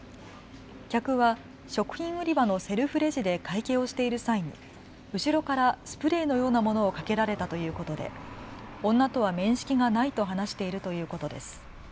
客は食品売り場のセルフレジで会計をしている際に後ろからスプレーのようなものをかけられたということで女とは面識がないと話しているということです。